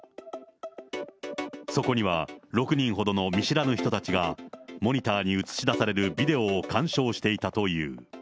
そこには６人ほどの見知らぬ人たちが、モニターに映し出されるビデオを鑑賞していたという。